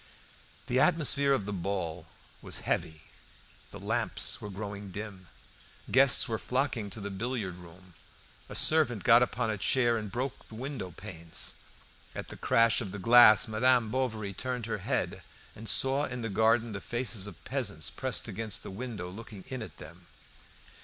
The atmosphere of the ball was heavy; the lamps were growing dim. Guests were flocking to the billiard room. A servant got upon a chair and broke the window panes. At the crash of the glass Madame Bovary turned her head and saw in the garden the faces of peasants pressed against the window looking in at them.